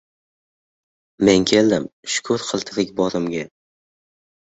Men keldim, shukr qil tirik borimga…